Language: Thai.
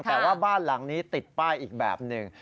แต่ว่าบ้านหลังนี้ติดป้ายอีกแบบหนึ่ง